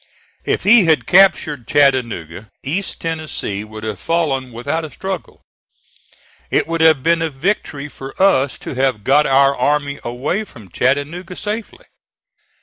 If he had captured Chattanooga, East Tennessee would have fallen without a struggle. It would have been a victory for us to have got our army away from Chattanooga safely.